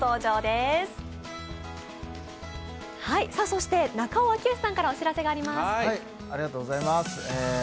そして中尾明慶さんからお知らせがあります。